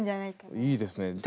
いいですね。